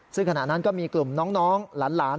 ซึ่งขณะนั้นก็มีกลุ่มน้องหลาน